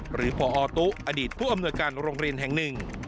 หรือพอตุอดีตผู้อำนวยการโรงเรียนแห่งหนึ่ง